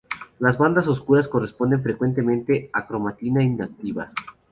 Las bandas oscuras corresponden frecuentemente a cromatina inactiva.